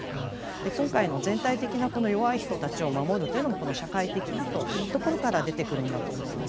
で今回の全体的なこの弱い人たちを守るというのもこの「社会的な」というところから出てくるんだと思います。